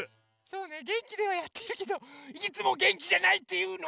そうねげんきではやってるけどいつもげんきじゃないっていうの？